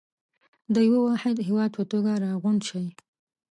د يوه واحد هېواد په توګه راغونډ شئ.